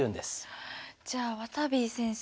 じゃあわたび先生